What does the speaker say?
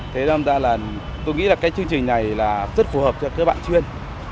thế nên ra là tôi nghĩ là cái chương trình này là rất phù hợp cho các bạn chuyên